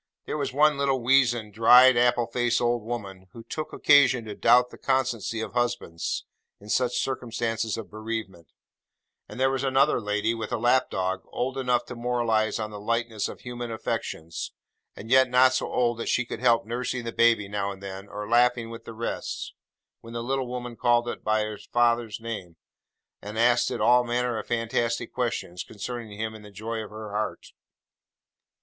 There was one little weazen, dried apple faced old woman, who took occasion to doubt the constancy of husbands in such circumstances of bereavement; and there was another lady (with a lap dog) old enough to moralize on the lightness of human affections, and yet not so old that she could help nursing the baby, now and then, or laughing with the rest, when the little woman called it by its father's name, and asked it all manner of fantastic questions concerning him in the joy of her heart.